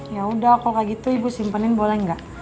ya udah kalau kayak gitu ibu simpenin boleh nggak